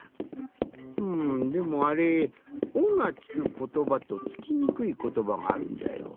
うんでもあれ「お」がつくことばとつきにくいことばがあるんじゃよ。